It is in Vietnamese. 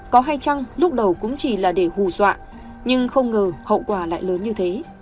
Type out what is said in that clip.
có hay chăng lúc đầu cũng chỉ là để hù dọa nhưng không ngờ hậu quả lại lớn như thế